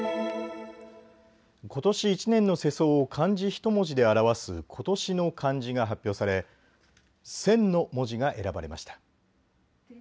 ことし１年の世相を漢字ひと文字で表す今年の漢字が発表され戦の文字が選ばれました。